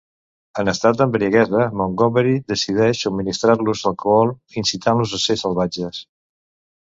En estat d'embriaguesa Montgomery decideix subministrar-los alcohol incitant-los a ser salvatges.